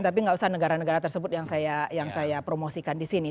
tapi gak usah negara negara tersebut yang saya promosikan disini